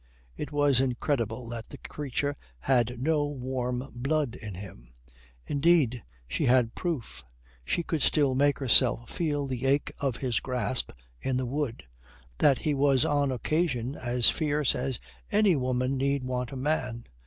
It was incredible that the creature had no warm blood in him. Indeed, she had proof she could still make herself feel the ache of his grasp in the wood that he was on occasion as fierce as any woman need want a man.